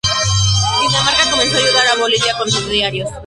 Dinamarca comenzó a ayudar a Bolivia con diarios.